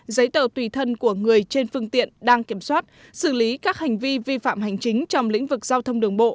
giấy tờ tùy thân của người trên phương tiện đang kiểm soát xử lý các hành vi vi phạm hành chính trong lĩnh vực giao thông đường bộ